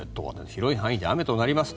広い範囲で雨となります。